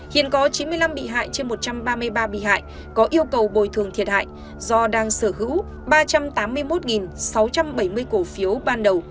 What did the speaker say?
hiện có chín mươi năm bị hại trên một trăm ba mươi ba bị hại có yêu cầu bồi thường thiệt hại do đang sở hữu ba trăm tám mươi một sáu trăm bảy mươi cổ phiếu ban đầu